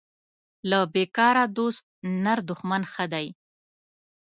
له بیکاره دوست نر دښمن ښه دی